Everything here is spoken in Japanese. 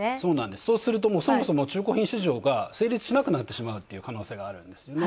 そうすると、そもそも中古品市場が成立しなくなってしまうという可能性があるんですね。